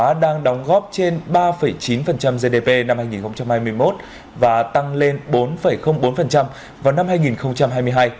văn hóa đang đóng góp trên ba chín gdp năm hai nghìn hai mươi một và tăng lên bốn bốn vào năm hai nghìn hai mươi hai